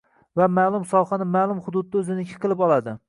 va maʼlum sohani maʼlum hududda o‘ziniki qilib oladi.